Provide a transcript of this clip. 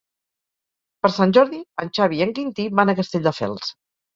Per Sant Jordi en Xavi i en Quintí van a Castelldefels.